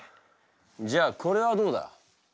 じゃあこれはどうだ？